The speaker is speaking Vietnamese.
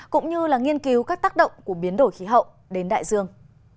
cũng như nghiên cứu các tác động của biến đổi khí hậu đến đại dương